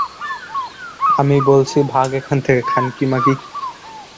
আমি বলছি ভাগ এখান থেকে, খানকি মাগী!